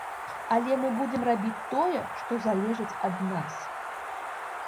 Але мы будзем рабіць тое, што залежыць ад нас.